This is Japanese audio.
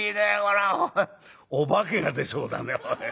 お化けが出そうだねおい。